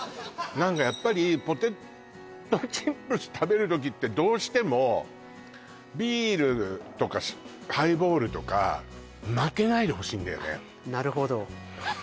何かやっぱりポテトチップス食べる時ってどうしてもビールとかハイボールとか負けないでほしいんだよね